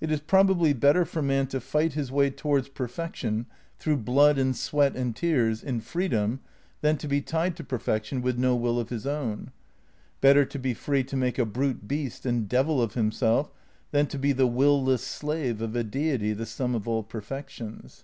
It is probably better for man to fight his way towards perfection XI RECONSTRUCTION OF IDEALISM 307 through blood and sweat and tears, in freedom, than to be tied to perfection with no will of his own; bet ter to be free to make a brute beast and devil of him self than to be the will less slave of a Deity the sum of all perfections.